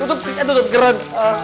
tutup kaki aja tutup geran